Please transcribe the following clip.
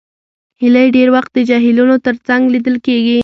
هیلۍ ډېر وخت د جهیلونو تر څنګ لیدل کېږي